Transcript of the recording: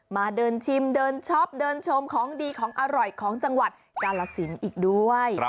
มาเดินชิมเดินช็อปเดินชมของดีของอร่อยของจังหวัดกาลสินอีกด้วย